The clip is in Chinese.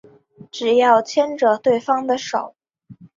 只要牵着对方的手